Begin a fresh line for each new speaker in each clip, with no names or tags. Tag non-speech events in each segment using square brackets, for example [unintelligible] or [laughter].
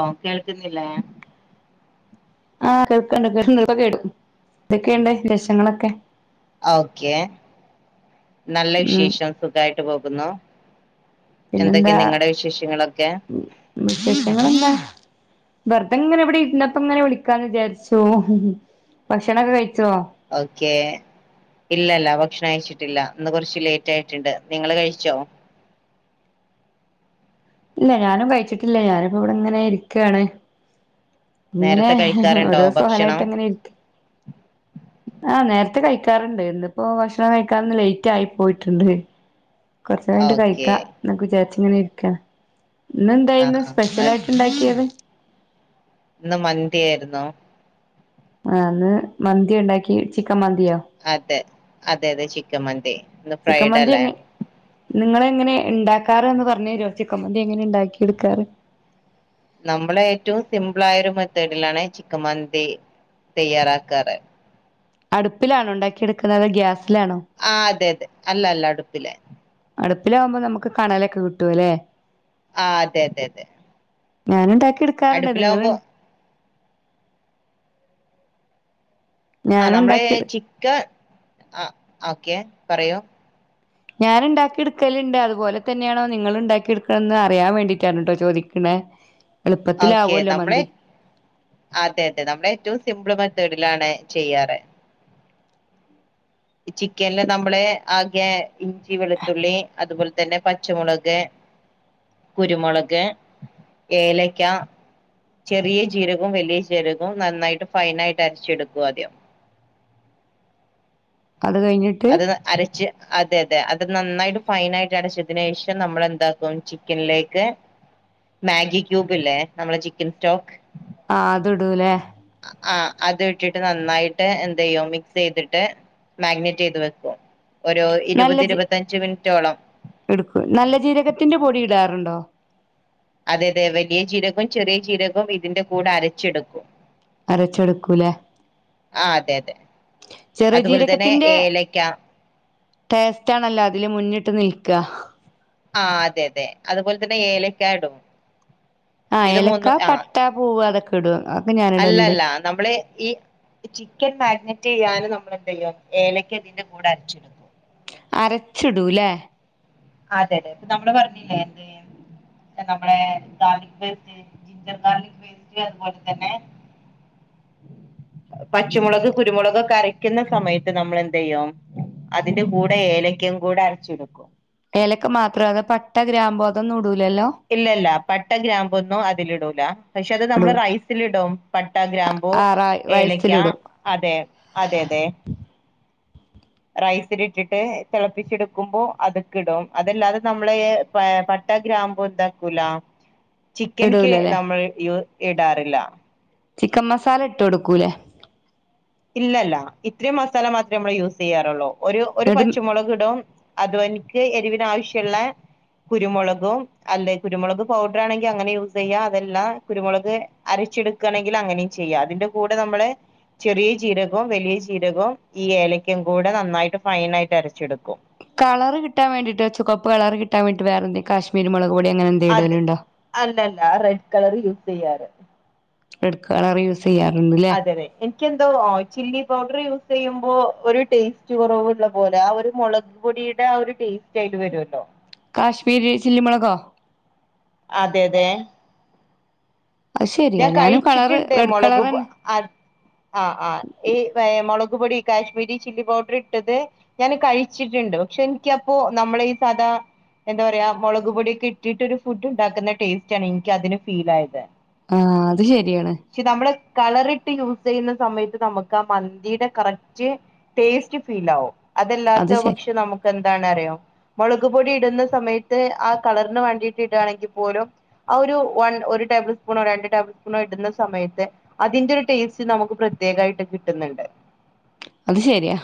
ഓ കേൾക്കുന്നില്ലേ
ആ കേൾക്ക്ണ്ട് കേക്ക് [unintelligible] കേടു ന്തൊക്കെയുണ്ട് വേശങ്ങളൊക്കെ
ഓക്കെ നല്ല
ഉം
വിശേഷം സുഖായിട്ട് പോകുന്നു എന്തൊക്കെ
പിന്നെന്താ
നിങ്ങളുടെ വിശേഷങ്ങളൊക്കെ
വിശേഷങ്ങളെന്താ വെറുതെങ്ങനെ ഇവിടെ ഇര്ന്നപ്പോ ഇങ്ങനെ വിളിക്കാന്ന് വിചാരിച്ചു ഭക്ഷണൊക്കെ കഴിച്ചോ
ഓക്കെ ഇല്ലല്ലാ ഭക്ഷ്ണം കയ്ച്ചിട്ടില്ല ഇന്ന് കുറച്ച് ലേറ്റായിട്ട്ണ്ട് നിങ്ങള് കഴിച്ചോ
ഇല്ല ഞാനും കഴിച്ചിട്ടില്ലാ ഞാനിപ്പൊ വടെങ്ങനെ ഇരിക്കാണ് ങ്ങനെ
നേരത്തെ കഴിക്കാറുണ്ടോ
ഓരോ
ഭക്ഷണം
സൊഹലായിട്ട് അങ്ങനെ ഇരിക്കാ ആ നേരത്തെ കഴിക്കാറുണ്ട് ഇന്നിപ്പോ ഭക്ഷണം കഴിക്കാന്ന് ലേറ്റ് ആയി പോയിട്ടുണ്ട് കുറച്ചെയ്ഞ്ഞിട്ട്
ഓക്കെ
കഴിക്കാ ന്നൊക്കെ വിചാരിച്ച് ങ്ങനെ ഇരിക്കാണ്
ആ
ഇന്നെന്തായിരുന്നു
ആ
സ്പെഷ്യൽ ആയിട്ട് ണ്ടാക്കിയത്.
ഇന്ന് മന്തി ആയിരുന്നു
ആ ഇന്ന് മന്തി ഉണ്ടാക്കി ചിക്കൻ മന്തിയോ?
അതെ അതെ അതെ ചിക്ക മന്തി ഇന്ന് ഫ്രൈഡേ അല്ലേ?
നിങ്ങള് എങ്ങനെ ഉണ്ടാക്കാറ് എന്ന് പറഞ്ഞതരുമോ ചിക്കൻ മന്തി എങ്ങനെ ഉണ്ടാക്കി എടുക്കാറ്.
നമ്മള ഏറ്റവും സിമ്പിൾ ആയ ഒരു മെത്തേഡിലാണ് ചിക്കൻ മന്തി തയ്യാറാക്കാറ്.
അടുപ്പിലാണോ ഉണ്ടാക്കി എടുക്കുന്നത് ഗ്യാസിലാണോ?
ആഹ് അതെ അതെ അല്ല അല്ല അടുപ്പില്.
അടുപ്പിലാകുമ്പോ നമുക്ക് കണലൊക്കെ കിട്ടും അല്ലേ.
ആഹ് അതെ അതെ അതെ
ഞാനുണ്ടാക്കി എടുക്കാറുണ്ട് നിങ്ങള്
അടുപ്പിലാവുമ്പോ ആഹ് നമ്മളെ
ഞാനുണ്ടാക്കിയെടു
ചിക്കൻ ആ ഓക്കെ പറയൂ.
ഞാനുണ്ടാക്കിയെടുക്കലുണ്ട് അതു പോലെ തന്നെയാണോ നിങ്ങളുണ്ടാക്കിയെടുക്കണതെന്നറിയാൻ വേണ്ടീട്ടാണ് ട്ടോ ചോദിക്ക്ണെ
ഓക്കെ നമ്മളെ. അതെ അതെ നമ്മളേറ്റവും സിമ്പിൾ മെതേഡിലാണ് ചെയ്യാറ്. ഈ ചിക്കനില് നമ്മള് ആകെ ഇഞ്ചി വെളുത്തുള്ളി അതുപോലെ തന്നെ പച്ചമുളക്. കുരുമുളക് ഏലക്ക ചെറിയ ജീരകോം വലിയ ജീരകോം നന്നായിട്ട് ഫൈനായിട്ട് അരച്ചെടുക്കു ആദ്യം.
അത് കഴിഞ്ഞിട്
അത് അരച്ച് അതെ അതെ അത് നന്നായിട്ട് ഫൈനായിട്ട് അരച്ചതിന് ശേഷം നമ്മൾ എന്താക്കും ചിക്കനിലേക്ക് മാഗി ക്യൂബ്ല്ലേ നമ്മളെ ചിക്കൻ സ്റ്റോക്ക്.
ആഹ് അതിടൂല്ലേ.
ആഹ് അത് ഇട്ടിട്ട് നന്നായിട്ട് എന്തു ചെയ്യും മിക്സ് ചെയ്തിട്ട് മാഗ്നേറ്റ് ചെയ്ത് വെക്കും ഒരു
നല്ല
ഇരുപത്
ജീ
ഇരുപത്തഞ്ച് മിനിറ്റോളം.
എടുക്കും നല്ല ജീരകത്തിന്റെ പൊടി ഇടാറുണ്ടോ?
അതെ അതെ വലിയ ജീരകവും ചെറിയ ജീരകവും ഇതിന്റെ കൂടെ അരച്ചെടുക്കും.
അരച്ചെടുക്കൂലേ.
ആഹ് അതെ അതെ
ചെറിയ
അതുപോലെ തന്നെ
ജീരകത്തിന്റെ
ഏലക്ക
ടേസ്റ്റ് ആണല്ലോ അതില് മുന്നിട്ട് നിൽക്ക
ആഹ് അതെ അതെ അതുപോലെ തന്നെ ഏലക്കായിടും.
ആഹ് ഏലക്ക പട്ട പൂവ് അതൊക്കെ ഇടും അതൊക്കെ ഞാനിടല്ല്
അല്ലല്ല നമ്മള് ഈ ചിക്കൻ മാഗ്നേറ്റ് ചെയ്യാന് നമ്മളെന്ത് ചെയ്യ ഏലക്ക അതിന്റെ കൂടെ അരച്ചിടും
അരച്ചിടൂല്ലേ.
അതെ അതെ ഇപ്പൊ നമ്മള് പറഞ്ഞില്ലേ എന്ത് നമ്മളെ garlic paste ginger garlic paste അതുപോലെ തന്നെ പച്ചമുളക് കുരുമുളകൊക്കെ അരക്കുന്ന സമയത്ത് നമ്മളെന്ത്‌ ചെയ്യും. അതിന്റെ കൂടെ ഏലക്കയും കൂടെ അരച്ചെടുക്കും.
ഏലക്ക മാത്രം അതൊ പട്ട ഗ്രാമ്പൂ അതൊന്നും ഇടൂലല്ലോ.
ഇല്ല ഇല്ല പട്ട ഗ്രാമ്പൊന്നും അതിലിടൂല്ല പക്ഷെ അത്
ഇടൂ
നമ്മള് റൈസിലിടും പട്ട ഗ്രാമ്പൂ
ആ
ഏലക്ക.
റൈസിലിടും
അതെ അതെ അതെ. റൈസിലിട്ടിട്ട് തെളപ്പിച്ചെടുക്കുമ്പോ അതൊക്കെ ഇടും അതല്ലാതെ നമ്മള് പട്ട ഗ്രാമ്പൂ എന്താക്കൂലാ ചിക്കൻക്ക്
ഇടൂലല്ലേ
നമ്മൾ ഇ ഇടാറില്ല.
ചിക്കൻ മസാല ഇട്ട് കൊടുക്കൂല്ലേ?
ഇല്ലല്ല ഇത്രയും മസാല മാത്രേ നമ്മള് യൂസ് ചെയ്യാറൊള്ളൂ ഒരു ഒരു
എന്നിട്ട്
പച്ചമൊളകിടും അതും എനിക്ക് എരിവിന് ആവശ്യുള്ള കുരുമുളകും അല്ലെ കുരുമുളക് പൗഡറാണെങ്കിൽ അങ്ങനെ യൂസ് ചെയ്യാം അതല്ലാ കുരുമുളക് അരച്ചെടുക്കാണെങ്കിലങ്ങനെയും ചെയ്യാം അതിന്റെ കൂടെ നമ്മള് ചെറിയ ജീരകോം വലിയ ജീരകോം ഈ ഏലക്കയും കൂടെ നന്നായിട്ട് ഫൈനായിട്ട് അരച്ചെടുക്കും.
കളറ് കിട്ടാൻ വേണ്ടീട്ടോ ചുകപ്പ് കളറ് കിട്ടാൻ വേണ്ടീട്ട് വേറെന്തെ കാശ്മീരി മുളക് പൊടി അങ്ങനെ എന്തെങ്കിലും
അതെ
ഇടലുണ്ടോ
അല്ലല്ല അത് റെഡ് കളർ യൂസ് ചെയ്യാറ്.
റെഡ് കളർ യൂസ് ചെയ്യാറന്ന്.
അതെ അതെ. ക്കൃന്തോ ചില്ലി പൗഡർ യൂസ് ചെയ്യുമ്പോ ഒരു ടേസ്റ്റ് കുറവുള്ള പോലെ ആഹ് ഒരു മുളക് പൊടി ന്റ ആഹ് ഒരു ടേസ്റ്റ് ആയിട്ട് വരുല്ലോ.
കാശ്മീരി ചില്ലി മൊളകോ.
അതെ അതെ.
അത് ശരിയാ
ഞാൻ
ഞാനും കളറ്
കഴിച്ചിട്ട്ണ്ട്
റെഡ്
മുളക്
കളർ
അ
തന്നെ
ആഹ് ആഹ് ഈ ഏഹ് മുളക് പൊടി കാശ്മീരി ചില്ലി പൗഡർ ഇട്ടത് ഞാന് കഴിച്ചിട്ട്ണ്ട് പക്ഷേ ഇൻക്കൃപ്പോ നമ്മള ഈ സാദാ എന്താ പറയാ മുളക് പൊടിക്കെ ഇട്ടിട്ട് ഒരു ഫുഡ് ഉണ്ടാക്കുന്ന ടേസ്റ്റ് ആണ് ഇന്ക്കൃ അതിന് ഫീൽ ആയത്.
ആഹ് അത് ശരിയാണ്.
ശ്ശെ നമ്മള് കളറിട്ട് യൂസ് ചെയ്യുന്ന സമയത്ത് നമ്മക്ക് ആഹ് മന്തിടെ കറക്റ്റ് ടേസ്റ്റ് ഫീൽ ആവും
അത്
അതല്ലാത്ത
ശരി
പക്ഷേ നമുക്ക് എന്തണ് അറിയോ മൊളക് പൊടി ഇടുന്ന സമയത്ത് ആഹ് കളറ്ന് വേണ്ടിട്ട് ഇടാണെങ്കി പോലും ആഹ് ഒരു വൺ ഒരു ടേബിൾ സ്പൂണോ രണ്ട് ടേ ടേബ്ൾ സ്പൂൺ ഇട്ന്ന സമയത്ത് അതിന്റെ ടേസ്റ്റ് നമുക്ക് പ്രത്യേകായിട്ട് കിട്ട്ന്ന്ണ്ട്. [inaudible]
അത് ശരിയാ.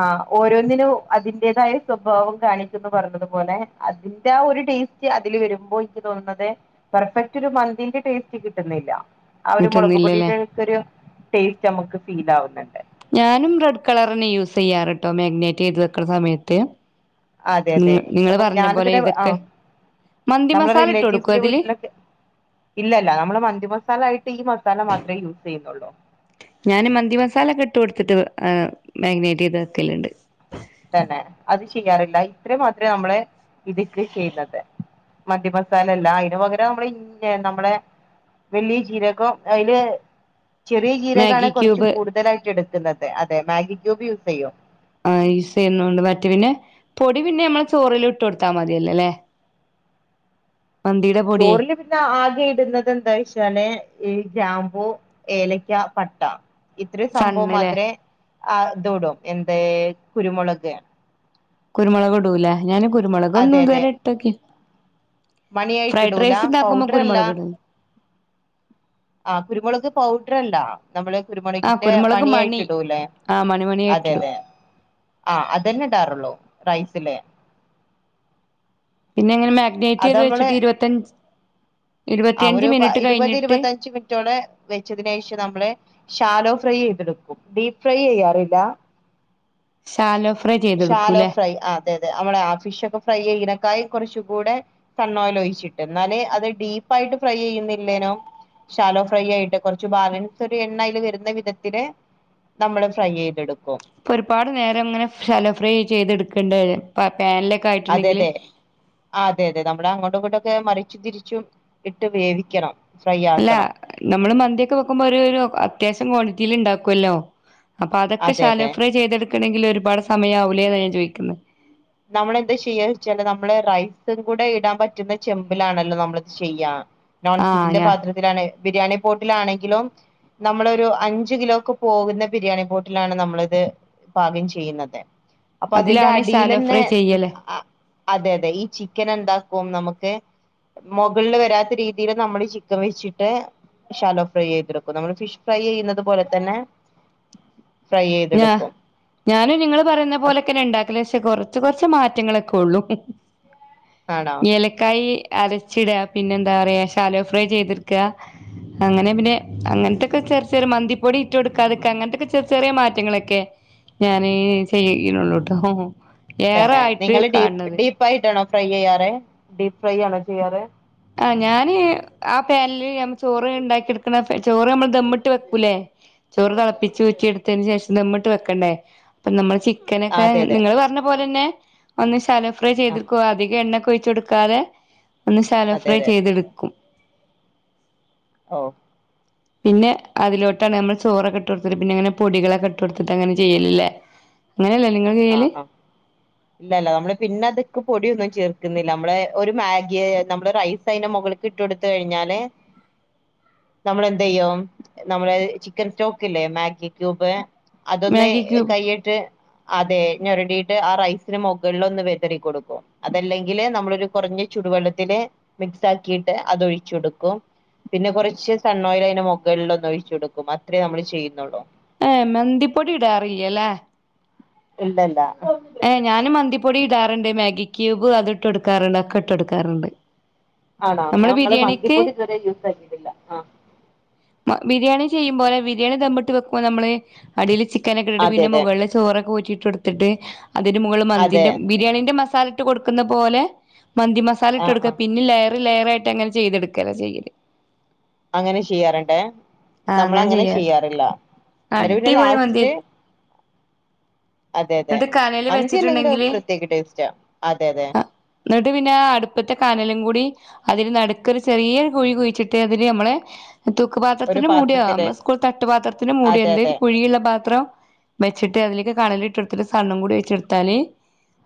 ആഹ് ഓരോന്നിനും അതിന്റേതായ സ്വഭാവം കാണിക്കുന്ന് പറ്ഞ്ഞതു പോലെ അതിന്റെ ആഹ് ഒരു ടേസ്റ്റ് ക്കൃ അതില് വരുമ്പോ ഇൻക്കൃ തോന്നുന്നത് പെർഫെക്റ്റ് ഒരു മന്തിന്റെ ടേസ്റ്റ് കിട്ടുന്നില്ല ആഹ് ഒരു മൊളക്
കിട്ടുന്നില്ലല്ലേ
പൊടിയ്ടെക്ക ഒരു ടേസ്റ്റ് നമ്മക്ക് ഫീൽ ആവുന്നുണ്ട്.
ഞാനും റെഡ് കളറന്നെ യൂസ് ചെയ്യാറ്ട്ടോ മാഗ്നേറ്റ്യ്ത് വെക്ക്ണ സമയത്ത്.
അതെ അതെ
ഉം നിങ്ങള്
അപ്പോ
പറഞ്ഞ
ഞാന
പോലെ
ഇതിനെ
ഇതൊക്കെ
ആഹ്.
മന്തി
നമ്മളെ
മസാല ഇട്ട് കൊടുക്കോ
റിലേറ്റീവ്സിന്റെ
അതില്
വീട്ടിലൊക്കെ. ഇല്ലല്ല നമ്മള് മന്തി മസാലായിട്ട് ഈ മസാല മാത്രേ യൂസ് ചെയ്യുന്നുള്ളൂ.
ഞാൻ മന്തി മസാലക്കെട്ട് കൊട്ത്തിട്ട് ഏഹ് മാഗ്നേറ്റ് ചെയ്ത് വെക്കല്ണ്ട്.
തന്നെ അത് ചെയ്യാറില്ല ഇത്ര മാത്രേ നമ്മള് ഇതീക്ക് ചെയ്യുന്നത്. മന്തി മസാല അല്ല അയിന് പകരം നമ്മള് ഇ നമ്മളെ വലിയ ചീരകം അയില് ചെറിയ ജീരകാണ്
മാഗി
കെറ്ച്ച്
ക്യൂബ്
കൂടുതലായിട്ട് എടുക്കുന്നത് അതെ മാഗി ക്യൂബ് യൂസെയ്യും.
ആഹ് യൂസ് ചെയ്യുന്നുണ്ട് മറ്റേ പിന്നെ പൊടി പിന്നെ നമ്മളെ ചോറില് ഇട്ടു കൊടുത്താമതില്ലേ അല്ലേ? പൊടിയേ
ചോർല്. ഞാ ആകെ ഇട്ന്നത് എന്തായ്ച്ചാല് ഈ ഗ്രാമ്പൂ ഏലക്ക പട്ട. ഇത്രേ സംഭവം
സണ്ണിലെ
മാത്രേ ആഹ് ഇതുടും എന്ത് കുരുമുളക്.
കുരുമുളകും ഇടൂലെ ഞാന് കുരുമുളക്
അതെ
ഒന്നും
അതെ
ഇതുവരെ ഇട്ടോക്കി ഫ്രൈഡ്
മണിയായിട്ടിടൂല
റൈസ് ഇണ്ടാക്കുമ്പോ
പൗഡർ അല്ല
കുരുമുളക് ഇടും.
ആഹ് കുരുമുളക് പൗഡറ്ണ്ടോ? നമ്മളെ
ആഹ്
കുരുമുളകിന്റെ
കുരുമുളക്
മണിയായിട്ട്
മണി
ഇടൂല്ലേ
ആഹ്
അതെ
മണിമണിയായിട്ടിടും
അതെ. ആഹ് അതന്നെ ഇടാറുള്ളൂ റൈസില്.
പിന്നെ ഇങ്ങനെ മാഗ്നേറ്റ്
അത്
ചെയ്ത്
നമ്മള്
വെച്ചിട്ട് ഇരുപത്ത ഇരുപത്തിയഞ്ച് മിനിറ്റ് കഴിഞ്ഞിട്ട്.
ച്ച് കിറ്റോളെ. വെച്ചതിനേഷം നമ്മള് ശാലോ ഫ്രൈ ചെയ്തെടുക്കും ഡീപ്പ് ഫ്രൈ ചെയ്യാറില്ല.
ശാലോ ഫ്രൈ
ശാലോ
ചെയ്തെടുക്കൂല്ലേ
ഫ്രൈ ആഹ് അതെ അതെ നമ്മടെ ആ ഫിഷ് ഒക്കെ ഫ്രൈ ചെയ്യനേക്കായും കുറച്ച് കൂടെ കണ്ണോല ഒഴിച്ചിട്ട് എന്നാലേ അത് ഡീപ്പായിട്ട് ഫ്രൈ ചെയ്യുന്നില്ലേനോ ശാലോ ഫ്രൈ ആയിട്ട് കൊറച്ച് ബാലൻസ് ഒരു എണ്ണ അയില് വരുന്ന വിധത്തില് നമ്മള് ഫ്രൈ ചെയ്തെടുക്കും
ഇരുപാട് നേരങ്ങനെ ശല ഫ്രൈ ചെയ്തെടുക്കെണ്ടെ ആ പാനിലൊ
അതെ തെ ആ അതെ അതെ നമ്മുടെ അങ്ങോട്ടും ഇങ്ങോട്ടൊക്കെ മറിച്ചും തിരിച്ചും ഇട്ട് വേവിക്കണം ഫ്രൈ
അല്ല
ആക്കണം
നമ്മള് മന്തിയൊക്കെ വെക്കുമ്പോ ഒരു ഒരു അത്യാവശം ക്വാണ്ടിറ്റിയില് ഉണ്ടാക്കുവല്ലോ അപ്പൊ അതൊക്കെ
അതെ
ശാലോ
അതെ
ഫ്രൈ ചെയ്തെടുക്കണമെങ്കില് ഒരുപാട് സമയാവൂലേന്ന ഞാൻ ചോയിക്ക്ണത്.
ന്നമ്മളെന്താ ചെയ്യാ വെച്ചാല് ന്നമ്മള് റൈസും കൂടെ ഇടാൻ പറ്റുന്ന ചെമ്പിലാണല്ലോ നമ്മള് ഇത് ചെയ്യാ. നോൺ
ആഹ്
സ്റ്റിക്കിന്റെ
ഞാ
പാത്രത്തിലാണ് ബിരിയാണി പോട്ടിലാണെങ്കിലും. നമ്മളൊരു അഞ്ചു കിലോക്കെ പോകുന്ന ബിരിയാണി പോട്ടിലാണ് നമ്മളിത് പാകം ചെയ്യുന്നത് അപ്പൊ അതിന്റെ
അതിലാണ് ശാലോ
അടിലെന്നെ.
ഫ്രൈ ചെയ്യല്
ആഹ് അതെ അതെ ഈ ചിക്കൻ എന്താക്കും ന്നമക്ക് മുകളില് വരാത്ത രീതില് നമ്മള് ചിക്കൻ വെച്ചിട്ട് ശാലോ ഫ്രൈ ചെയ്തെട്ക്കും ന്നമ്മള് ഫിഷ് ഫ്രൈ ചെയ്യുന്നത് പോലെ തന്നെ.
ഞാ
ഫ്രൈയ്യെയ്തെട്ക്കും.
ഞാനും നിങ്ങള് പറയുന്ന പോലെക്കന്നെ ഇണ്ടാക്കല് പക്ഷെ കൊർച്ച് കൊർച്ച് മാറ്റങ്ങളൊക്കെ ഉള്ളൂ.
ആണോ
ഏലക്കായി അരച്ചിട പിന്നെ എന്താ പറയാ ശാലോ ഫ്രൈ ചെയ്ത്ട്ക്ക. അങ്ങനെ പിന്നെ അങ്ങനത്തെക്കെ ചെറി ചെറിയ മന്തിപ്പൊടി ഇട്ടു കൊടുക്കാ അതെക്കെ അങ്ങനത്തൊക്കെ ചെറിയ ചെറിയ മാറ്റ റ്റങ്ങളൊക്കെ ഞാന് ചെയ്യ്ണോള്ളൂട്ടോ ഏറെ ആയിട്ട് കാണ് ണത്.
ഡീപ്പായിട്ടണോ ഫ്രൈ ചെയ്യാറ് ഡീപ്പ് ഫ്രൈ ആണോ ചെയ്യാറ്?
ആഹ് ഞാന് ആ പാൻല് നമ്മ ചോറ് ഉണ്ടാക്കി എടുക്ക്ണ ചോറ് നമ്മള് ദമ്മിട്ട് വെക്കൂലേ ചോറ് തിളപ്പിച്ച് ഊറ്റിയെടുത്തതിന് ശേഷം ദമ്മിട്ട് വെക്കണ്ടേ? ഇപ്പ നമ്മള്
ആ
ചിക്കനൊക്കെ
അതെ അതെ
നിങ്ങള് പർഞ്ഞ പോലെന്നെ ഒന്ന് ശാലോ ഫ്രൈ
ആ
ചെയ്തെട്ക്കു അധികം എണ്ണക്കെ ഒഴിച്ചോട്ക്കാതെ ഒന്ന് സാലോ
അതെ
ഫ്രൈ
അതെ
ചെയ്ത്ട്
ഓഹ്
പിന്നെ അതിലോട്ടാണ് അമ്മ്ൾ ചോറൊക്കെട്ടോട്ത്ത് പിന്നങ്ങന പൊടികളോക്കെട്ടോട്ത്ത്ട്ടങ്ങന ചെയ്യല് ല്ലേ. അങ്ങനെയല്ലേ നിങ്ങളൊക്കെയ്യല്
ഇല്ലല്ല നമ്മള് പിന്നെ അതൊക്കെ പൊടിയൊന്നും ചേർക്കുന്നില്ല നമ്മള് ഒരു മാഗിയെ നമ്മള് റൈസ് സൈന് മുകളൾക്ക് ഇട്ട്കൊടുത്ത് കഴിഞ്ഞാലേ നമ്മളെന്തെയ്യും നമ്മളെ ചിക്കൻ സ്റ്റോക്ക്‌ല്ലേ മാഗി ക്യൂബ് അതൊന്ന്
മാഗി ക്യൂബ്
കൈയിട്ട് അതെയ് ഞൊരണ്ടിട്ട് ആ റൈസിന് മുകൾലോന്ന് വെതറി കൊട്ക്കും. അതല്ലെങ്കില് നമ്മളൊരു കൊറഞ്ഞ ചുട് വെള്ളത്തില് മിക്സാക്കിട്ട് അതൊഴിച്ച് കൊട്ക്കും. പിന്നെ കൊറച്ച് സണ്ണ് ഓയിൽ അതിന് മുകളിൽ ഒന്ന് ഒഴിച്ചു കൊടുക്കും അത്രേ നമ്മള് ചെയ്യുന്നുള്ളൂ.
ഏഹ് മെന്തിപ്പൊടി ഇടാറിൽയ ലേ?
ഇല്ലല്ല
ഏഹ് ഞാനും മന്തിപ്പൊടി ഇടാറ്ണ്ട് മാഗി ക്യൂബ് അത് ഇട്ടൊട്ക്കാറ്ണ്ട് ഒക്കെ ഇട്ടൊട്ക്കാറ്ണ്ട്
ആണോ ഞാൻ നങ്ങള് മത്നിപ്പൊടി ഇതുവരെ യൂസ് ആകിയിട്ടില്ല ആഹ്.
മ ബിരേണി ചെയ്യുമ്പോലെ ബിരേണി ദമ്മിട്ട് വെക്ക്പോ നമ്മള് അടിയില് ചിക്കനൊക്കെ ഇട്ടിട്ട്
അതെ
പിന്നെ
അതെ
മുകളില് ചോറൊക്കെ ഊറ്റിട്ട്ടുത്തിട്ട് അതിന് മുകളില്
അതെ
മന്തിന്റെ ബിരേണിന്റെ മസാല ട്ട് കൊടുക്കുന്ന പോലെ മന്തി
ആ
മസാലട്ട് കൊടുക്ക,
ആ
പിന്നെ ലെയർ ലെയറായിട്ടങ്ങനെ ചെയ്തെടുക്കലാ ചെയ്യല്
അങ്ങനെ ചെയ്യാറ്ണ്ട്‌
ആ
നമ്മള് അങ്ങനെ
ചെയ്യാറ്
ചെയ്യാറില്ല ന്ന്ട്ട് പിന്നെ
അടിപൊളി മന്തി
ലാസ്റ്റ്. അതെ അതെ
എന്നിട്ട് കനല്
മന്തി അല്ലെങ്കിലും
വെച്ചിട്ടുണ്ടെങ്കില്
പ്രത്യേക ടെസ്റ്റാ അതെ അതെ.
ഇന്നട്ട് പിന്നെ അടുപ്പത്തെ കാനലും കൂടി അതിന് നടുക്കൊരു ചെറിയൊരു കുഴി കുഴിച്ചിട്ട് അതില് നമ്മളെ
ഒരു
തൂക്ക്‌പാത്രത്തിന് മൂടിയോ
പാത്രത്തില്
ന്നമ്മളെ ഉസ്കൂൾ തട്ട്പാത്രത്തിന് മൂടിയോ
അതെ അതെ
എന്തെലും കുഴിയ്ള്ള പാത്രം. വെച്ചിട്ട് അതിലേക്ക് കടലയിട്ട് കൊടുത്തിട്ട് സണ്ണും കൂടി ഒഴിച്ചൊടുത്താല്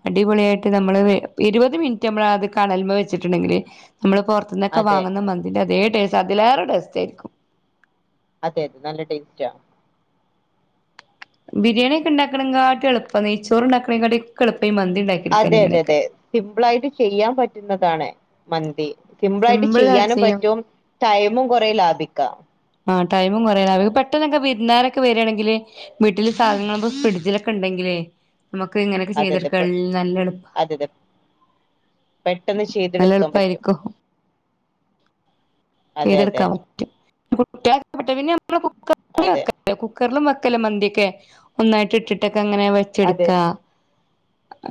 അടിപൊളിയായിട്ട് ഞമ്മള് ഇരുവെത് മിനിറ്റ് ഞമ്മള് അത് കണല്മേ വെച്ചിട്ടുണ്ടെങ്കില് ഞമ്മള് പൊറ അന്നൊക്കെ
അതെ
വാങ്ങ്ന്ന മന്തിന്റെ അതേ ടേസ്റ്റ് അതിലേറെ ടേസ്റ്റ് ആയിരിക്കും.
അതെ അതെ നല്ല ടേസ്റ്റാ
ബിരിയാണിക്കെ ഉണ്ടാക്കണ കാട്ടി എളുപ്പം നെയ്ച്ചോറ് ഉണ്ടാക്കണെകാട്ടീംക്കെ എളുപ്പ ഈ മന്തി ഉണ്ടാക്കി
അതെ അതെ അതെ സിമ്പിളായിട്ട് ചെയ്യാൻ പറ്റുന്നതാണ് മന്തി സിംമ്പിളായിട്ട്
സിമ്പിളായിട്ട്
ചെയ്യാനും
ചെയ്യും
പറ്റും ടൈമും കുറേ ലാഭിക്കാ
ആ ടൈും കുറല്ല അവക്ക് പെട്ടെന്നൊക്കെ വിരുന്നാരൊക്കെ വരികയാണെങ്കില് വീട്ടിൽ സാധനങ്ങള് ഇ ഫ്രിഡ്ജിലൊക്കെ ഉണ്ടെങ്കിലേ നമുക്ക് ഇങ്ങനെയൊക്കെ ചെയ്തെടുക്ക നല്ല എളുപ്പ
അതെതെ പെട്ടെന്ന്
നല്ല
ചെയ്തെടുക്കാൻ പറ്റും
എളുപ്പായിരിക്കും
അതെ അതെ
ചെയ്തെടുക്കാൻ പറ്റും കുട്ടയ്ക് പിന്നെ നമ്മ
അതെ
കുക്കറക്കെ കുക്കറിലും വെക്കലും മന്തിയൊക്കെ ഒന്നായിട്ട് ഇട്ടിട്ടൊക്കെ അങ്ങനെ
അതെ
വെച്ചെടുക്കാ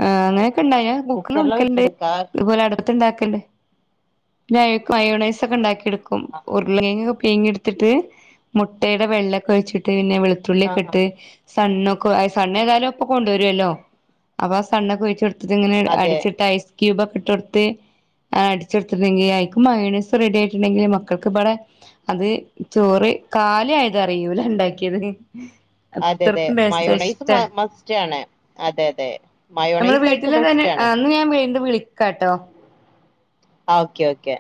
ആഹ് അങ്ങനൊക്കെണ്ടയ ഞാൻ കുക്കറിലും
കുക്കറില്
വെക്കലണ്ട്
വെച്ചെടുക്കാ
ഇതുപോലെ അട് ത്തുണ്ടാക്കണ്ട്
ആ
പിന്ന മയോണൈസൊക്കെ ഉണ്ടാക്കി എടുക്കും
ആ ആ
ഉരുളങ്ങൊക്കെ പിഴിഞെടു ത്തിട്ട് മുട്ടയുടെ വെള്ളക്കരു ഒഴിച്ചിട്ട് പിന്നെ
ആ,
വെളുത്തുള്ളിയൊക്കെ
ആ.
ഇട്ട് സണ്ണൊക്കെ സണ്ണ് ഏതാലും ഒപ്പൊ കൊണ്ടുവരുമല്ലോ അപ്പൊ ആ സണ്ണൊക്കെ ഒഴിച്ചുകൊടു തിങ്ങനെ
അതെ
അടിച്ചിട്ട് ഐസ് ക്യൂബൊക്കെട്ടുകൊടുത്ത് അടിച്ചടുത്തിണ്ടെങ്കിൽ അയ്ക്കു മയോണൈസ് റെഡി ആയിട്ടുണ്ടെങ്കിൽ മ മക്കൾക്ക് ഇവിടെ അത് ചോറ് കാലി ആയത് അറിയൂല ഉണ്ടാക്കിയത്
അതെ അതെ
അത്രക്കും ടേസ്റ്റ്
മയോണൈസ്
ഇഷ്ടാണ്
മസ്റ്റ് ആണ് അതെ അതെ മയോണൈസ് അയക്ക്
വതില് തന്നെ
മസ്റ്റ് ആണ്
എന്ന ഞാൻ വീണ്ടും വിളിക്കാം ട്ടോ
ഓക്കെ ഓക്കെ